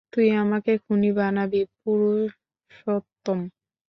তুই আমাকে খুনী বানাবি, পুরুষোত্তম।